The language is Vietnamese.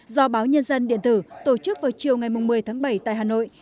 do báo nhân dân điện tử tổ chức vào chiều ngày một mươi tháng bảy tại hà nội